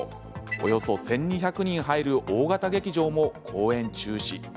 およそ１２００人が入る大型劇場も公演中止。